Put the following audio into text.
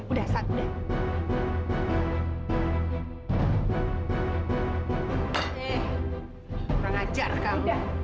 eh udah ngajar kamu